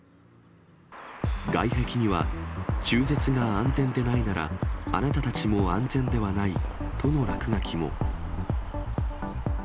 外壁には、中絶が安全でないなら、あなたたちも安全ではないとの落書きも。